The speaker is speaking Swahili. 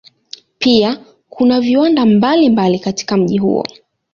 Pia kuna viwanda mbalimbali katika mji huo.